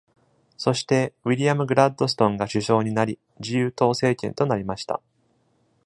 そして、ウィリアム・グラッドストンが首相になり、自由党政権となりました。